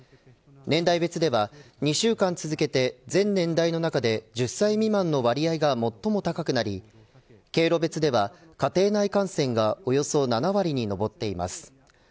年代別では２週間続けて全年代の中で１０歳未満の割合が最も高くなり、経路別では家庭内感染がおよそ７割に上っています。